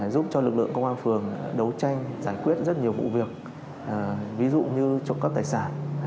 giúp cho lực lượng công an phường đấu tranh giải quyết rất nhiều vụ việc ví dụ như trộm cắp tài sản